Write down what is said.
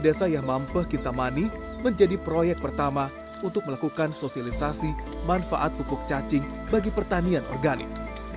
biasa yah mampah kintamani menjadi proyek pertama untuk melakukan sosialisasi manfaat pupuk cacing bagi pertanian organik